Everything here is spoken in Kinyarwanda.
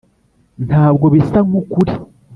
ntabwo bisa nkukuri,